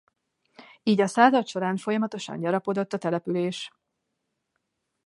Így a század során folyamatosan gyarapodott a település.